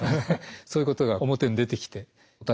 そういうことが表に出てきて